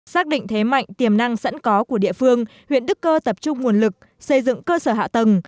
xác định thế mạnh tiềm năng sẵn có của địa phương huyện đức cơ tập trung nguồn lực xây dựng cơ sở hạ tầng